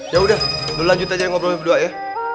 ya udah berlanjut aja ngobrol sama berdua ya